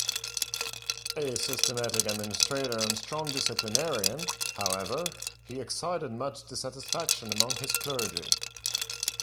A systematic administrator and strong disciplinarian, however, he excited much dissatisfaction among his clergy.